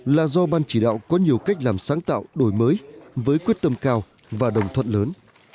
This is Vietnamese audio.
là do ban chỉ đạo có nhiều cách làm sáng tạo đổi mới với quyết tâm cao và đồng thuận lớn